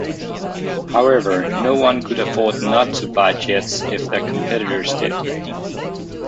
However, no one could afford "not" to buy jets if their competitors did.